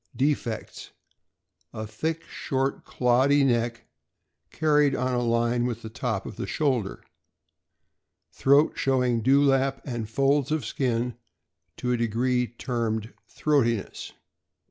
Defects: A thick, short, cloddy neck, carried on a line with the top of the shoulder. Throat showing dewlap and folds of skin to a degree termed "throatiness."